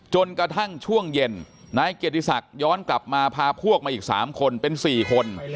จนกระทั่งช่วงเย็นนายเกียรติศักดิ์ย้อนกลับมาพาพวกมาอีก๓คนเป็น๔คน